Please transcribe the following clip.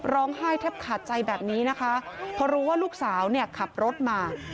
ร้องไห้แทบขาดใจแบบนี้นะคะเพราะรู้ว่าลูกสาวเนี่ยขับรถมา